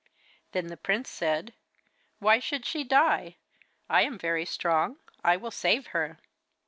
Then the prince said: 'Why should she die? I am very strong, I will save her.